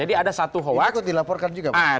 itu kok dilaporkan juga pak